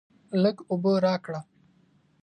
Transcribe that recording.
لږ اوبه راکړه.